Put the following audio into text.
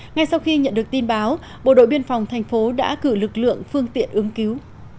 ngay sau khi nhận được tin báo bộ đội biên phòng thành phố đã cử lực lượng phương tiện ứng cứu